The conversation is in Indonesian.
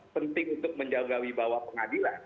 penting untuk menjaga wibawa pengadilan